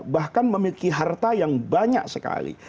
bahkan memiliki harta yang banyak sekali